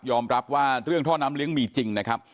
รับว่าเรื่องท่อน้ำเลี้ยงมีจริงนะครับ